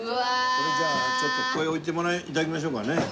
これじゃあちょっとここへ置いて頂きましょうかね。